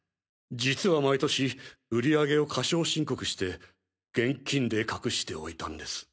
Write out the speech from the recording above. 実は毎年売上を過少申告して現金で隠しておいたんです。